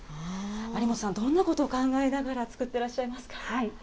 有本さん、どんなことを考えながら作ってらっしゃいますか。